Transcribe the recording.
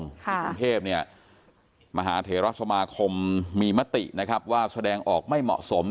กรุงเทพเนี่ยมหาเถระสมาคมมีมตินะครับว่าแสดงออกไม่เหมาะสม